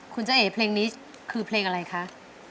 คุณเจ้าเอ๋เพลงนี้คือเพลงอะไรคะ